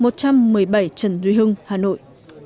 một trăm một mươi bảy trần duy hưng hà nội